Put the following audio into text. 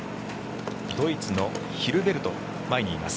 ドイツのヒルベルト前にいます。